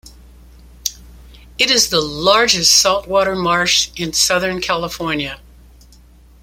It is the largest salt water marsh in Southern California.